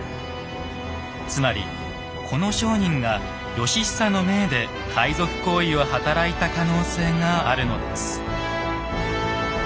つまりこの商人が義久の命で海賊行為を働いた可能性があるのです。